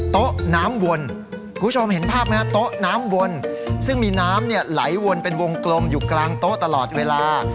โต๊ะน้ำวนคุณผู้ชมเห็นภาพไหมฮะโต๊ะน้ำวนซึ่งมีน้ำเนี่ยไหลวนเป็นวงกลมอยู่กลางโต๊ะตลอดเวลา